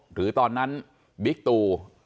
หรือตอนนั้นบิ๊กตู